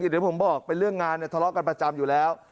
เดี๋ยวผมบอกเป็นเรื่องงานเนี่ยทะเลาะกันประจำอยู่แล้ว